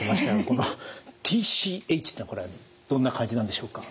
このＴＣＨっていうのはこれどんな感じなんでしょうか。